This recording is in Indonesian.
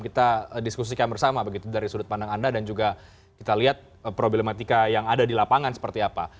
kita diskusikan bersama begitu dari sudut pandang anda dan juga kita lihat problematika yang ada di lapangan seperti apa